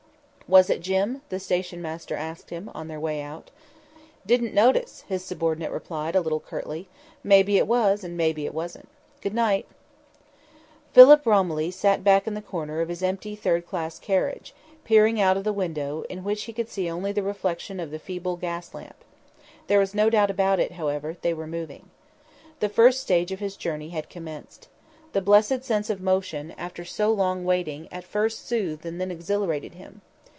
"Was it Jim?" the station master asked him, on their way out. "Didn't notice," his subordinate replied, a little curtly. "Maybe it was and maybe it wasn't. Good night!" Philip Romilly sat back in the corner of his empty third class carriage, peering out of the window, in which he could see only the reflection of the feeble gas lamp. There was no doubt about it, however they were moving. The first stage of his journey had commenced. The blessed sense of motion, after so long waiting, at first soothed and then exhilarated him.